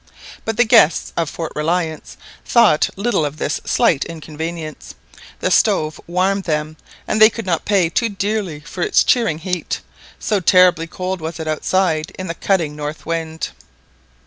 But the guests of Fort Reliance thought little of this slight inconvenience; the stove warmed them, and they could not pay too dearly for its cheering heat, so terribly cold was it outside in the cutting north wind.